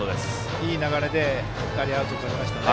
いい流れで２人、アウトをとれましたね。